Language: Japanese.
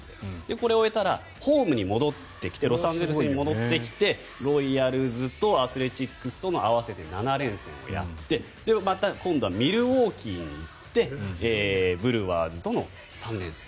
これを終えたらホームに戻ってきてロサンゼルスに戻ってきてロイヤルズとアスレチックスとの合わせて７連戦をやってまた今度はミルウォーキーに行ってブルワーズとの３連戦。